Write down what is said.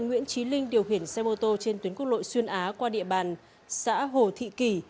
nguyễn trí linh điều huyện xe mô tô trên tuyến quốc lội xuân á qua địa bàn xã hồ thị kỳ